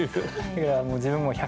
いやもう自分もうわあ。